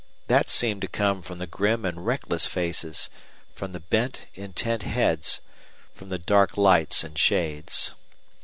That seemed to come from the grim and reckless faces, from the bent, intent heads, from the dark lights and shades.